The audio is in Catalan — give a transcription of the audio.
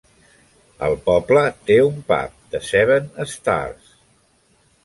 El poble té un pub, "The Seven Stars".